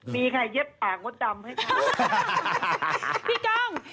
มีใครเย็ดปากมดต่ำไหมคะพี่ก้อง